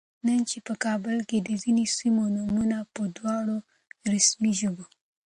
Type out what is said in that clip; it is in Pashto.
نن چې په کابل کې د ځینو سیمو نومونه په دواړو رسمي ژبو